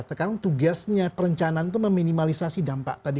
sekarang tugasnya perencanaan itu meminimalisasi dampak tadi